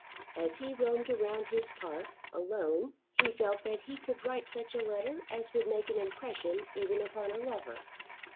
As he roamed about his park alone he felt that he could write such a letter as would make an impression even upon a lover.